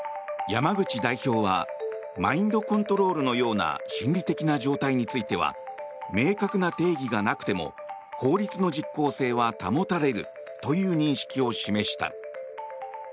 山口代表はマインドコントロールのような心理的な状態については明確な定義がなくても法律の実効性は保たれるという認識を示した。